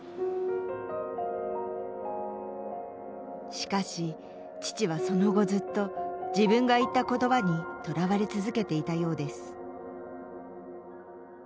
しかし父はその後ずっと自分が言った言葉にとらわれ続けていたようです